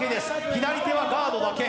左手はガードだけ。